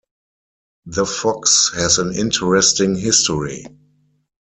The Fox has an interesting history.